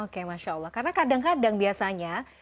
oke masya allah karena kadang kadang biasanya